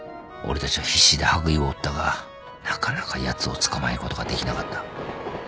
俺たちは必死で羽喰を追ったがなかなかやつを捕まえることができなかった。